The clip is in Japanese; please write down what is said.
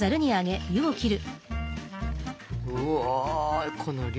うおこの量。